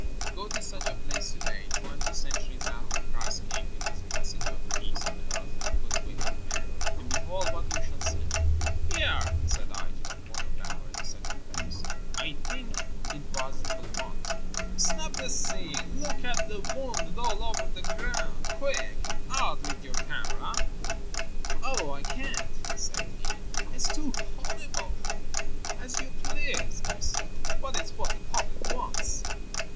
Go to such a place to day, twenty centuries after Christ came with his message of peace on earth and good will to men, and behold what you shall see. "Here," said I to a photographer in such a place — I think it was Belmont — "snap this scene. Look at the wounded all over the ground. Quick! out with your camera." "Oh, I can't," said he; "it's too horrible!" "As you please," I said. "But it's what the public wants."